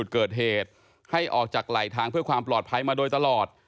เกิดเหตุให้ออกจากไหลทางเพื่อความปลอดภัยมาโดยตลอด